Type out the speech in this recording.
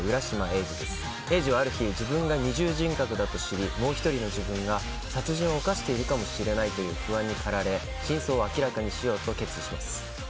エイジはある日、自分が二重人格だと知りもう１人の自分が殺人を犯しているかもしれないという不安に駆られ真相を明らかにしようと決意します。